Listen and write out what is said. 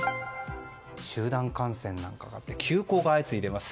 集団感染などがあって休校が相次いでいます。